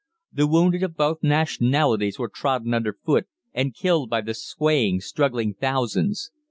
The wounded of both nationalities were trodden underfoot and killed by the swaying, struggling thousands.